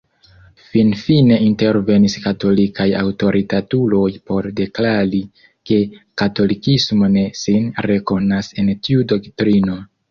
Finfine intervenis katolikaj aŭtoritatuloj por deklari ke katolikismo ne sin rekonas en tiu doktrino.